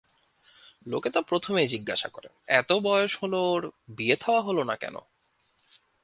লোকে তো প্রথমেই জিজ্ঞাসা করে, এত বয়স হল ওঁর বিয়েথাওয়া হল না কেন।